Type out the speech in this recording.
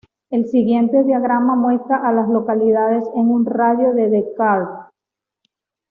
El siguiente diagrama muestra a las localidades en un radio de de Carthage.